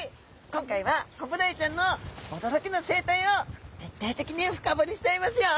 今回はコブダイちゃんのおどろきの生態を徹底的に深ぼりしちゃいますよ！